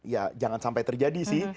ya jangan sampai terjadi sih